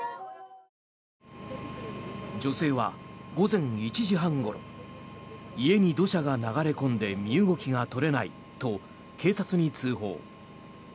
女性は午前１時半ごろ家に土砂が流れ込んで身動きが取れないと警察に通報。